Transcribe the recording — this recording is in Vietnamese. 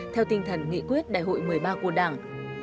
theo tinh thần nghị quyết đại hội một mươi ba của đảng